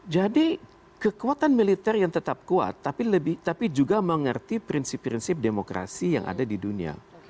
kekuatan militer yang tetap kuat tapi juga mengerti prinsip prinsip demokrasi yang ada di dunia